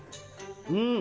うん！